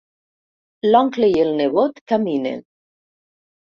L'oncle i el nebot caminen.